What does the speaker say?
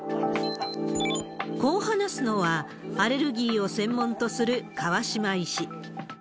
こう話すのは、アレルギーを専門とする川島医師。